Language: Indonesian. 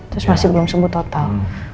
terus masih belum sembuh total